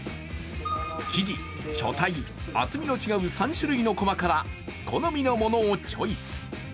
木地、書体、厚みの違う３種類の駒から好みのものをチョイス。